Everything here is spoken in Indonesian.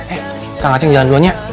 eh kang ngajeng jalan dulunya